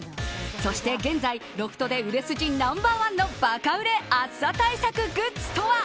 そして現在ロフトで売れ筋ナンバー１のバカ売れ暑さ対策グッズは？